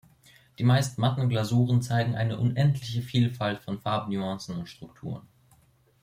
Die meist matten Glasuren zeigen eine unendliche Vielfalt von Farbnuancen und Strukturen.